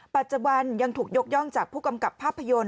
ปัจจุบันยังถูกยกย่องจากผู้กำกับภาพยนตร์